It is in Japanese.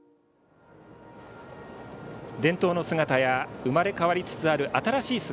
伝統の姿や生まれ変わりつつある新しい姿。